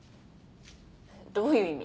どういう意味？